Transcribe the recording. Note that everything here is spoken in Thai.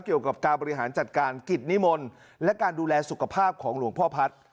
เกี่ยวกับการบริหารจัดการกิจนิมนต์และการดูแลสุขภาพของหลวงพ่อพัฒน์